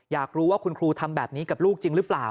อยากรู้ว่าคุณครูทำแบบนี้กับลูกจริงหรือเปล่า